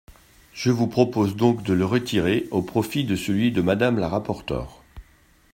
Je vous propose donc de le retirer au profit de celui de Madame la rapporteure.